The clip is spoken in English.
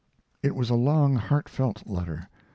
It was a long, heartfelt letter.